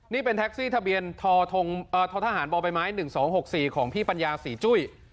นี่เป็นแท็กซี่ทะเบียนททหารบไปไม้๑๒๖๔ของพี่ปัญญาศรีจุ้ย